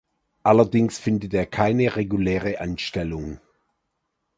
Allerdings findet er keine reguläre Anstellung.